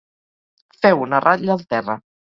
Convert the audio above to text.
Feu una ratlla al terra.